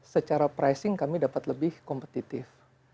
secara pricing kami dapat lebih kompetitif